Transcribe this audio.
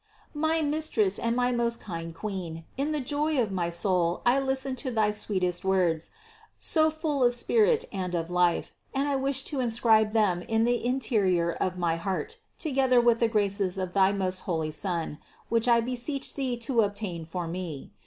443. My Mistress and my most kind Queen, in the joy of my soul I listen to thy sweetest words, so full of spirit and of life, and I wish to inscribe them in the interior of my heart together with the graces of thy most holy Son, which I beseech thee to obtain for me.